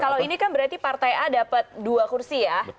kalau ini kan berarti partai a dapat dua kursi ya